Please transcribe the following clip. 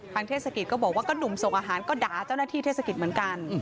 เทศกิจก็บอกว่าก็หนุ่มส่งอาหารก็ด่าเจ้าหน้าที่เทศกิจเหมือนกัน